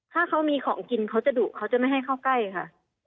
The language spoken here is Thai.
ถ้าเขามีของกินเขาจะดุเขาจะไม่ให้เข้าใกล้ค่ะ